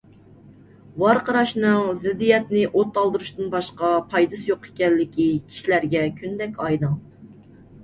ۋارقىراشنىڭ زىددىيەتنى ئوت ئالدۇرۇشتىن باشقا پايدىسى يوق ئىكەنلىكى كىشىلەرگە كۈندەك ئايدىڭ.